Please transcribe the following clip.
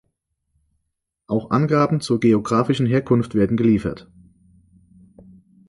Auch Angaben zur geografischen Herkunft werden geliefert.